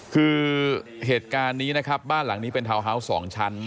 คือเหตุการณ์นี้นะครับบ้านหลังนี้เป็นทาวน์ฮาวส์๒ชั้น